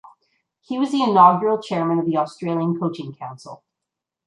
He was the inaugural chairman of the Australian Coaching Council.